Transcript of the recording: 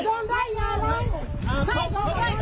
สวัสดีครับ